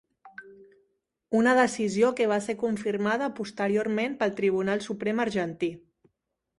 Una decisió que va ser confirmada posteriorment pel Tribunal Suprem argentí.